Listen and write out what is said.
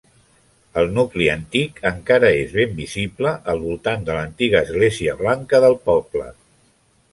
El nucli antic encara és ben visible al voltant de l'antiga església blanca del poble.